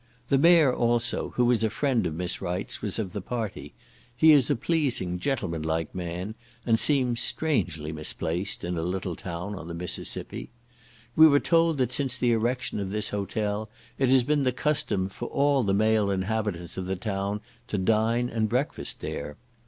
The mayor also, who was a friend of Miss Wright's, was of the party; he is a pleasing gentlemanlike man, and seems strangely misplaced in a little town on the Mississippi. We were told that since the erection of this hotel, it has been the custom for all the male inhabitants of the town to dine and breakfast there.